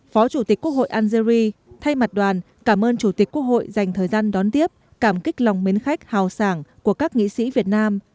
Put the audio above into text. phó chủ tịch quốc hội algeri thay mặt đoàn cảm ơn chủ tịch quốc hội dành thời gian đón tiếp cảm kích lòng mến khách hào sảng của các nghị sĩ việt nam